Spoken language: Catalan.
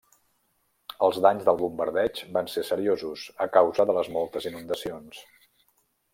Els danys del bombardeig van ser seriosos a causa de les moltes inundacions.